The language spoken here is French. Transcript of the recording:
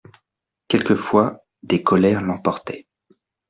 Quelquefois des colères l'emportaient.